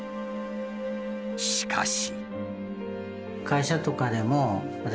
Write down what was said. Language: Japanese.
しかし。